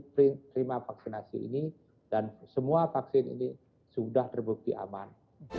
terima vaksinasi ini dan semua vaksin ini sudah terbukti aman